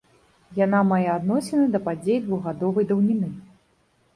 Яна мае адносіны да падзей двухгадовай даўніны.